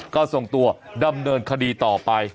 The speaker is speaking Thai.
ก็ส่งตัวดำเนินคดีต่อไป